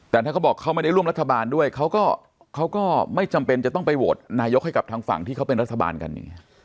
แต่ถ้าเขาบอกเขาไม่ได้ร่วมรัฐบาลด้วยเขาก็ไม่จำเป็นจะต้องไปโหวตนายกให้กับทางฝั่งที่เขาเป็นรัฐบาลกันอย่างนี้